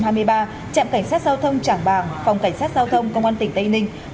trạm cảnh sát giao thông trảng bàng phòng cảnh sát giao thông công an tỉnh tây ninh